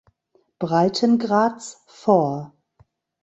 Breitengrads vor.